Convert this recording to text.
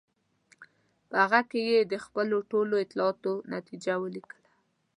په هغه کې یې د خپلو ټولو اطلاعاتو نتیجه ولیکله.